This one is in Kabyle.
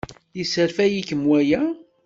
Yesserfay-ikem waya?